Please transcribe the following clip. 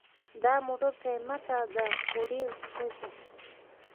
دا موټر قیمته ده خو ډېر ښه ده